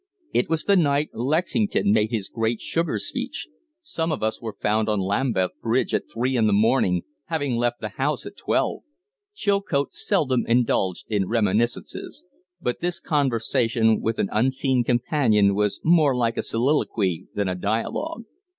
It was the night Lexington made his great sugar speech. Some of us were found on Lambeth Bridge at three in the morning, having left the House at twelve." Chilcote seldom indulged in reminiscences, but this conversation with an unseen companion was more like a soliloquy than a dialogue.